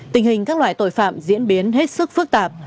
tình hình các loại tội phạm diễn biến hết sức phức tạp